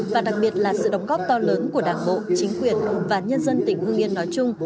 và đặc biệt là sự đóng góp to lớn của đảng bộ chính quyền và nhân dân tỉnh hương yên nói chung